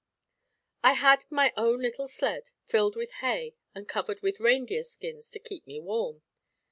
I had my own little sled, filled with hay and covered with reindeer skins to keep me warm.